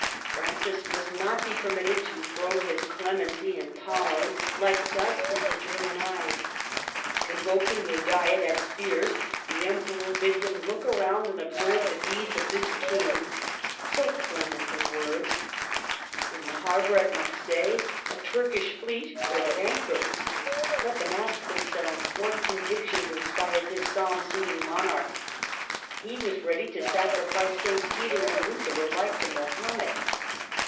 Francis must not be permitted to throw his clemency and tolerance like dust into German eyes. Convoking a diet at Spires, the Emperor bid them look around and observe the deeds of this king, so clement in words. In the harbor at Marseilles a Turkish fleet rode at anchor. Let them ask themselves what convictions inspired this psalm singing monarch? He was ready to sacrifice Saint Peter and Luther alike to Mahomet.